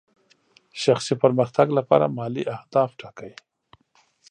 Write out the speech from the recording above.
شخصي پرمختګ لپاره مالي اهداف ټاکئ.